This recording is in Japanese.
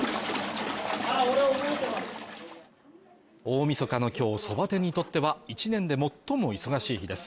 大みそかの今日、そば店にとっては１年で最も忙しい日です。